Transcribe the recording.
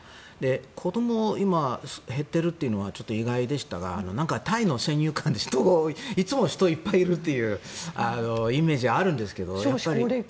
子ども、今減ってるというのはちょっと意外でしたがタイの先入観ですといつも人がいっぱいいるというイメージがあるんですがね。